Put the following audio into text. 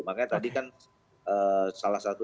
makanya tadi kan salah satu